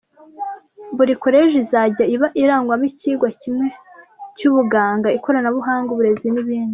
Buri college izajya iba irangwamo icyigwa kimwe nk’ubuganga, ikoranabuhanga, uburezi n’ibindi.